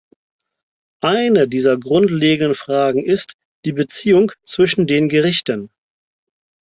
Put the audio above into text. Eine dieser grundlegenden Fragen ist die Beziehung zwischen den Gerichten.